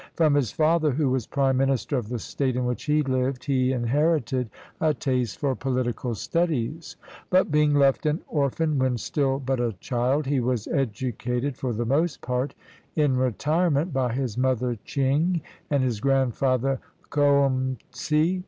From his father, who was prime minister of the state in which he lived, he inherited a taste for political studies ; but being left an orphan when still but a child, he was educated for the most part in retirement by his mother Ching and his grandfather Coum tse.